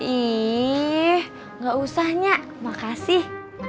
ih gak usah nyak makasih